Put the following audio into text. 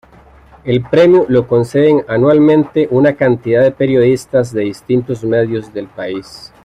El premio lo conceden anualmente una cantidad de periodistas de distintos medios del país.